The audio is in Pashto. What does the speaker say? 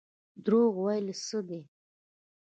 دروغ ویل څه دي؟